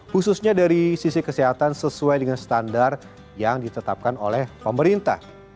khususnya dari sisi kesehatan sesuai dengan standar yang ditetapkan oleh pemerintah